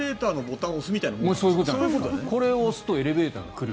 これを押すとエレベーターが来る。